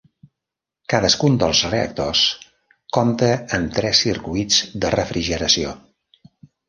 Cadascun dels reactors compta amb tres circuits de refrigeració.